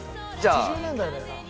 ８０年代だよな。